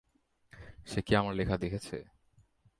সে কি আমার লেখা দেখেছে?